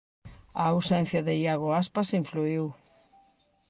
A ausencia de Iago Aspas influíu.